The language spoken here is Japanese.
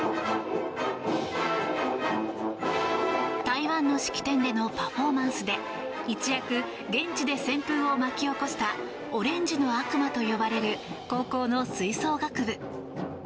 台湾の式典でのパフォーマンスで一躍、現地で旋風を巻き起こしたオレンジの悪魔と呼ばれる高校の吹奏楽部。